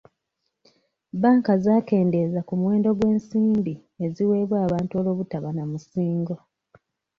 Banka zaakendeeza ku muwendo gw'ensimbi eziweebwa abantu olw'obutaba na musingo.